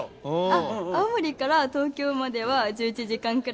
あっ青森から東京までは１１時間くらいで。